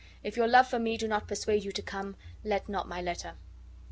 If your love for me do not persuade you to come, let not my letter.